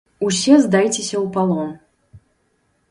Усе здайцеся ў палон.